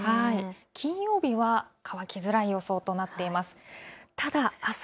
金曜日は乾きづらい予想となっています。